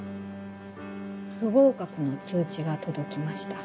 不合格の通知が届きました。